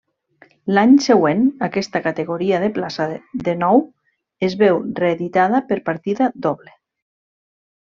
L'any següent, aquesta categoria de plaça de nou es veu reeditada per partida doble.